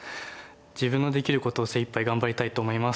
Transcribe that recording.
自分のできることを精いっぱい頑張りたいと思います。